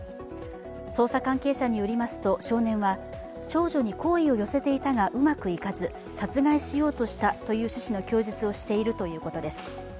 捜査関係者によりますと少年は長女に好意を寄せていたがうまくいかず殺害しようとしたという趣旨の供述をしているということです。